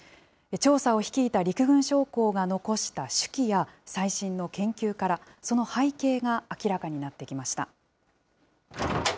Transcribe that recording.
調査を率いた陸軍将校が残した手記や、最新の研究から、その背景が明らかになってきました。